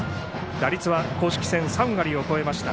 打率は公式戦３割を超えました。